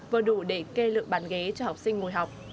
vừa đủ để kê lượng bàn ghế cho học sinh ngồi học